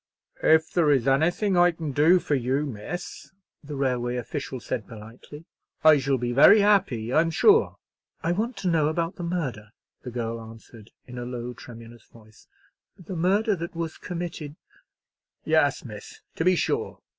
"If there is anything I can do for you, miss," the railway official said, politely, "I shall be very happy, I'm sure." "I want to know about the murder," the girl answered, in a low, tremulous voice, "the murder that was committed——" "Yes, miss, to be sure.